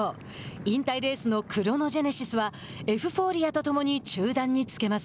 引退レースのクロノジェネシスはエフフォーリアと共に中団につけます。